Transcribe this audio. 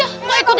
pak ustadz ikutan